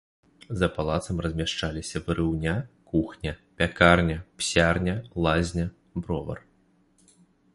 За палацам размяшчаліся варыўня, кухня, пякарня, псярня, лазня, бровар.